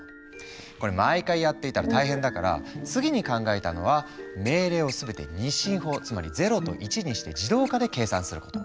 これ毎回やっていたら大変だから次に考えたのは命令を全て２進法つまり０と１にして自動化で計算すること。